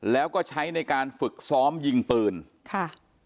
แล้วก็ใช้ในการฝึกซ้อมยิงปืนค่ะ